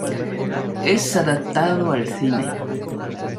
Es adaptado al cine.